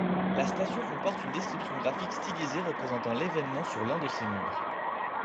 La station comporte une description graphique stylisée représentant l'évènement sur l'un de ses murs.